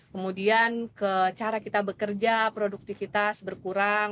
kemudian cara kita bekerja produktivitas berkurang